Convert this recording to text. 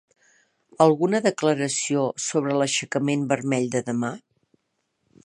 Alguna declaració sobre l'aixecament vermell de demà?